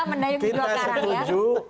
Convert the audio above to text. mendayung di dua karang ya kita setuju